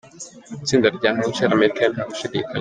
"Itsinda rya Angela Merkel, nta gushidikanya.